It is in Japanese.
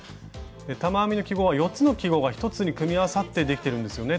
玉編みの記号は４つの記号が１つに組み合わさってできてるんですよね